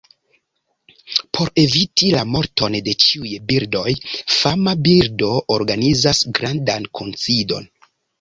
Por eviti la morton de ĉiuj birdoj, fama birdo organizas grandan kunsidon.